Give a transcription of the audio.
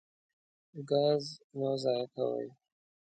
ګاز مه ضایع کوئ.